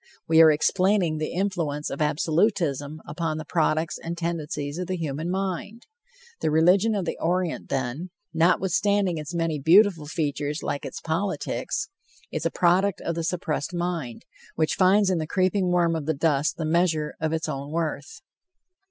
We are explaining the influence of absolutism upon the products and tendencies of the human mind. The religion of the Orient, then, notwithstanding its many beautiful features like its politics, is a product of the suppressed mind, which finds in the creeping worm of the dust the measure of its own worth.